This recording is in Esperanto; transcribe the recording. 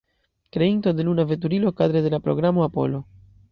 Kreinto de luna veturilo kadre de la Programo Apollo.